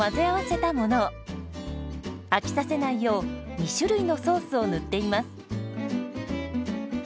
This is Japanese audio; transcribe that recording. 飽きさせないよう２種類のソースを塗っています。